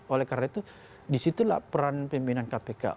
oleh karena itu disitulah peran pimpinan kpk